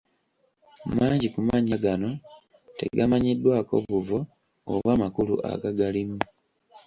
Mangi ku mannya gano tegamanyiddwako buvo oba makulu agagalimu.